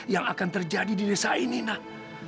yang akan terjadi di desa ini nah